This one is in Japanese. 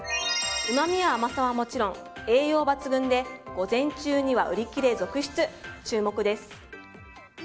うまみや甘さはもちろん栄養抜群で午前中には売り切れ続出。